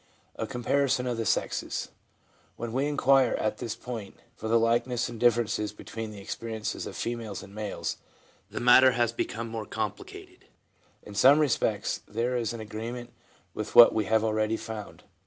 A Comparison of the Sexes. — When we inquire at this point for the likenesses and differences between the experiences of females and males, the matter has be come complicated. In some respects there is an agree ment with what we have already found.